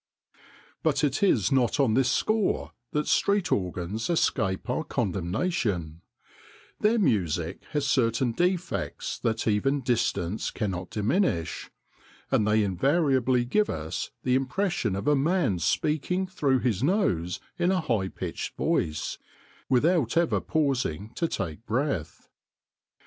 But it is not on this score that street organs escape our condemnation ; their music has certain defects that even distance cannot diminish, and they invariably give us the impression of a man speaking through his nose in a high pitched voice, without ever pausing to take breath.